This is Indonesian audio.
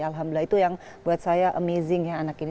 alhamdulillah itu yang buat saya amazing ya anak ini